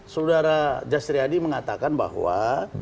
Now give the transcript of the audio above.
saudara jasriadi mengatakan bahwa